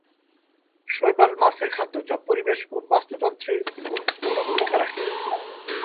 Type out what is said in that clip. শৈবাল মাছের খাদ্য, যা পরিবেশ ও বাস্তুতন্ত্রে গুরুত্বপূর্ণ ভুমিকা রাখে।